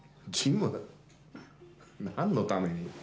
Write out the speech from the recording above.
何のために？